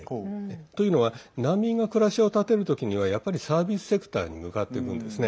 というのは難民が暮らしを立てる時にはやっぱりサービスセクターに向かっていくんですね。